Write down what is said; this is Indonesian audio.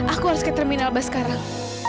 aku harus ke terminal bas sekarang